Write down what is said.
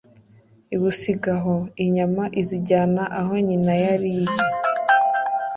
iwusiga aho, inyama izijyana aho nyina yari ari